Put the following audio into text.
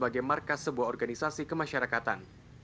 khas sebuah organisasi kemasyarakatan